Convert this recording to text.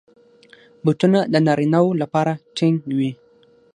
بوټونه د نارینه وو لپاره ټینګ وي.